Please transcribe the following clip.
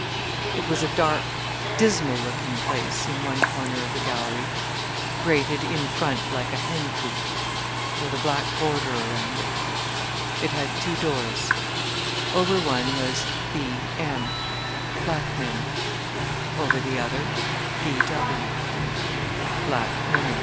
It was a dark, dismal looking place in one corner of the gallery, grated in front like a hen coop, with a black border around it. It had two doors; over one was B. M. black men; over the other B.